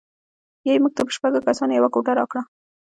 بیا یې موږ ته په شپږو کسانو یوه کوټه راکړه.